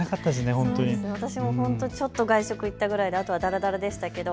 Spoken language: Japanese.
本当に私もちょっと外食行ったくらいであとはだらだらでしたけど。